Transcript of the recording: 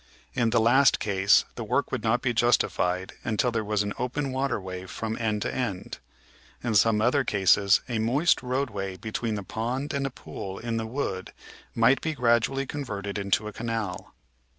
In the last case the work would not be justified until there was an open waterway from end to end. In some other cases a moist roadway between the pond and a pool in the wood might be gradu ally converted into a canal.